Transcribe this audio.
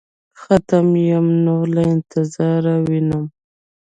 ختم يمه نور له انتظاره وينم.